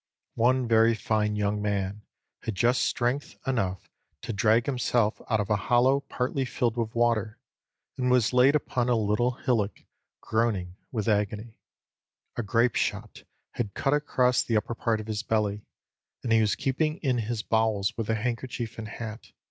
One very fine young man had just strength enough to drag himself out of a hollow partly filled with water, and was laid upon a little hillock groaning with agony; A GRAPE SHOT HAD CUT ACROSS THE UPPER PART OF HIS BELLY, AND HE WAS KEEPING IN HIS BOWELS WITH A HANDKERCHIEF AND HAT.